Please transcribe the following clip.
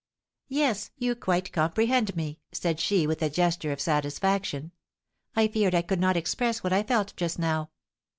"Yes, you quite comprehend me," said she, with a gesture of satisfaction. "I feared I could not express what I felt just now."